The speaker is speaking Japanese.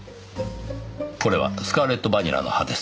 これはスカーレット・バニラの葉です。